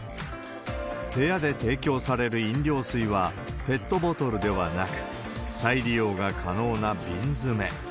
部屋で提供される飲料水は、ペットボトルではなく、再利用が可能な瓶詰め。